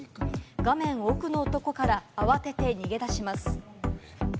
画面奥の男から慌てて逃げ出します。